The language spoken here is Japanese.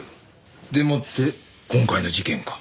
でもって今回の事件か。